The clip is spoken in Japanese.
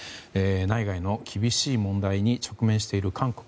内外の厳しい問題に直面している韓国。